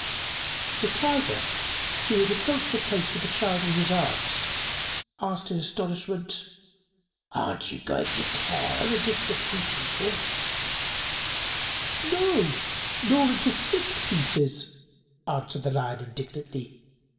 The Tiger, who had approached the place with the child in its arms, asked in astonishment: "Aren't you going to tear her into sixty pieces?" "No, nor into six pieces," answered the Lion indignantly.